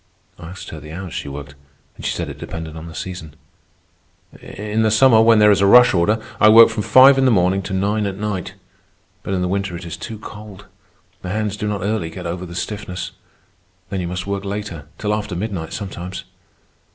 I asked her the hours she worked, and she said it depended on the season. "In the summer, when there is a rush order, I work from five in the morning to nine at night. But in the winter it is too cold. The hands do not early get over the stiffness. Then you must work later—till after midnight sometimes.